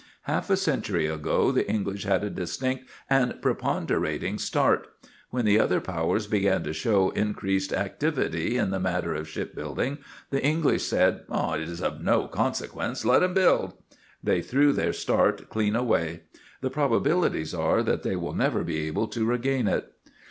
Half a century ago the English had a distinct and preponderating start. When the other powers began to show increased activity in the matter of shipbuilding, the English said, "It is of no consequence; let 'em build." They threw their start clean away. The probabilities are that they will never be able to regain it.